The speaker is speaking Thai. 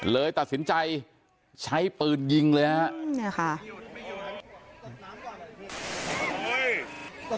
เลยตัดสินใจใช้ปืนยิงเลยฮะ